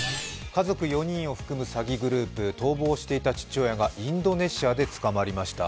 家族４人を含む詐欺グループ、逃亡していた父親がインドネシアで捕まりました。